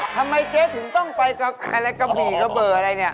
ทำไมเจ๊ถึงต้องไปกระบี่กระเบอร์อะไรนี่